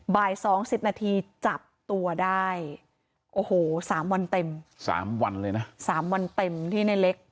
บ่าย๒๐นาทีจับตัวได้โอ้โหสามวันเต็มสามวันเลยนะ๓วันเต็มที่ในเล็ก